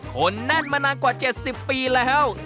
คนแน่นมานานกว่า๗๐ปีแล้ว